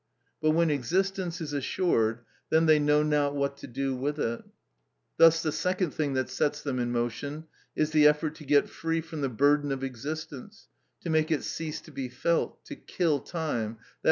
But when existence is assured, then they know not what to do with it; thus the second thing that sets them in motion is the effort to get free from the burden of existence, to make it cease to be felt, "to kill time," _i.